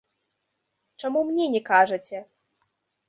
Чаму мне не кажаце?